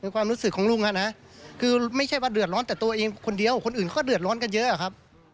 ความรู้สึกของลุงนะคือไม่ใช่ว่าเดือดร้อนแต่ตัวเองคนเดียวคนอื่นเขาก็เดือดร้อนกันเยอะอะครับ